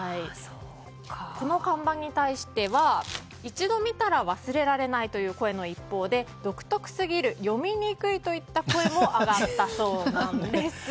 この看板に対しては一度見たら忘れられないという声の一方で独特すぎる、読みにくいといった声も上がったそうなんです。